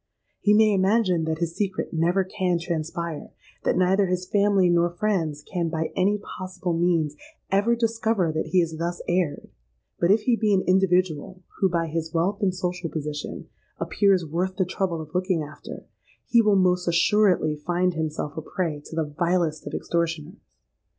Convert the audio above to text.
He may imagine that his secret never can transpire—that neither his family nor friends can, by any possible means, ever discover that he has thus erred;—but, if he be an individual, who, by his wealth and social position, appears worth the trouble of looking after, he will most assuredly find himself a prey to the vilest of extortioners.